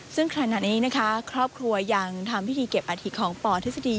ซึ่งขณะนี้นะคะครอบครัวยังทำพิธีเก็บอาทิตของปทฤษฎี